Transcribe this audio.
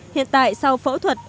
hiện tại sau phẫu thuật